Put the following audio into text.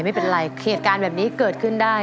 ไม่เป็นไรเหตุการณ์แบบนี้เกิดขึ้นได้